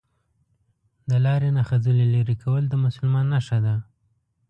دا لار نه خځلي لري کول د مسلمان نښانه ده